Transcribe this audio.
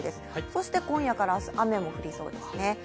そして今夜から明日、雨も降りそうですね。